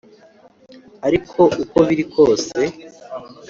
ariko uko biri kose